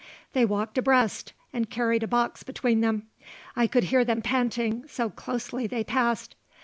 They walked abreast, and carried a box between them. I could hear them panting, so closely they passed.